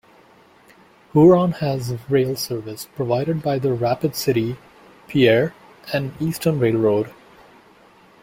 Huron has rail service, provided by the Rapid City, Pierre and Eastern Railroad.